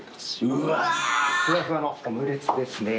ふわふわのオムレツですね。